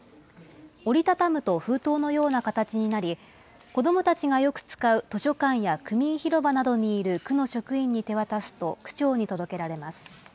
折り畳むと封筒のような形になり、子どもたちがよく使う図書館や区民ひろばなどにいる区の職員に手渡すと、区長に届けられます。